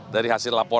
dari hasil laporan